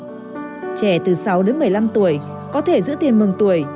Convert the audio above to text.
trẻ từ sáu đến một mươi năm tuổi có thể giữ tiền mừng tuổi